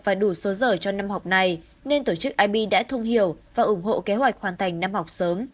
và đủ số giờ cho năm học này nên tổ chức ib đã thu hiểu và ủng hộ kế hoạch hoàn thành năm học sớm